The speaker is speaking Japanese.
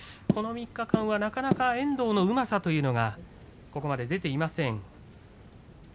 この３日間はなかなか遠藤のうまさというのが出ていません。